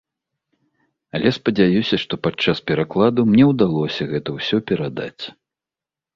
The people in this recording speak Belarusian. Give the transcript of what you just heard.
Але спадзяюся, што падчас перакладу мне ўдалося гэта ўсё перадаць.